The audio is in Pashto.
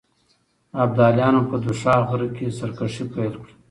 ابداليانو په دوشاخ غره کې سرکښي پيل کړه.